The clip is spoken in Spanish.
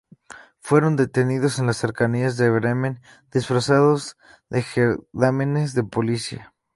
Fueron detenidos en las cercanías de Bremen disfrazados de gendarmes de Policía.